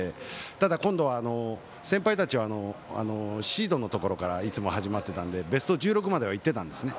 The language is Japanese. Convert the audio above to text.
ただ、今度は先輩たちはシードのところからいつも始まってたのでベスト１６まで入ってたんですね。